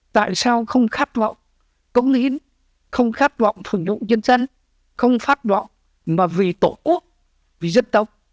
tại sao không khát vọng cống hiến không khát vọng phục động nhân dân không khát vọng mà vì tổ quốc vì dân tộc